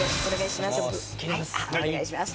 お願いします。